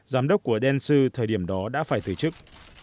giám đốc của densu thời điểm đó đã phải thời trức